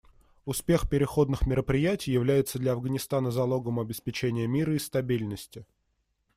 Успех переходных мероприятий является для Афганистана залогом обеспечения мира и стабильности.